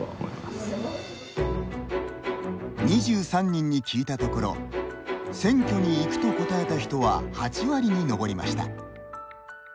２３人に聞いたところ「選挙に行く」と答えた人は８割に上りました。